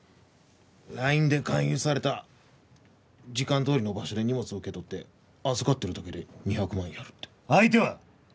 ラインで勧誘された時間どおりの場所で荷物を受け取って預かってるだけで２００万やるって相手は？